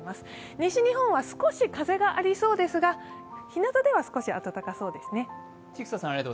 西日本は少し風がありそうですがひなたでは少し暖かそうですね。